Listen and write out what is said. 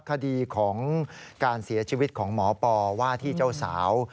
คดีของการเสียชีวิตของหมอปอว่าที่เจ้าสาว